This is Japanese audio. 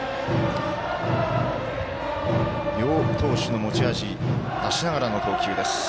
両投手の持ち味出しながらの投球です。